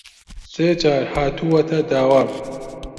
سێ جار هاتووەتە داوام